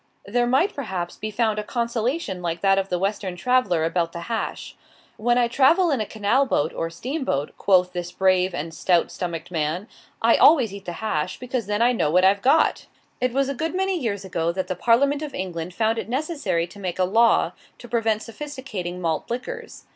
There might, perhaps, be found a consolation like that of the Western traveller about the hash. "When I travel in a canal boat or steam boat," quoth this brave and stout stomached man, "I always eat the hash, because then I know what I've got!" It was a good many years ago that the Parliament of England found it necessary to make a law to prevent sophisticating malt liquors.